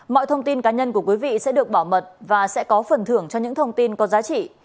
mọi thông tin cá nhân của quý vị sẽ được bảo mật và sẽ có phần thưởng cho những thông tin có giá trị